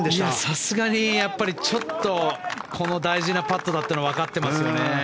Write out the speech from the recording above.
さすがにちょっとこの大事なパットだったというのをわかってますよね。